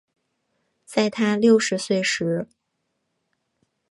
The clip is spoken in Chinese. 在她六十岁时